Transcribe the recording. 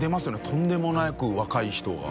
とんでもなく若い人が。